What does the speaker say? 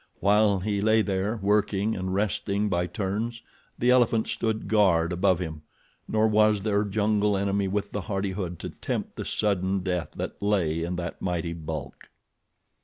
While he lay there, working and resting by turns, the elephant stood guard above him, nor was there jungle enemy with the hardihood to tempt the sudden death that lay in that mighty bulk.